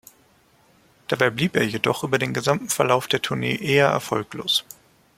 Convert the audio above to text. Dabei blieb er jedoch über den gesamten Verlauf der Tournee eher erfolglos.